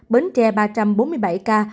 bến tre ba trăm bốn mươi bảy ca